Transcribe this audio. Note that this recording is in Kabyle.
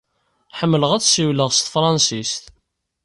Ḥemmleɣ ad ssiwleɣ s tefṛensist.